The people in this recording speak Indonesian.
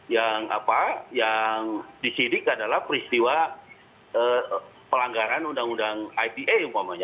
yang disidik adalah peristiwa pelanggaran undang undang ipa umpamanya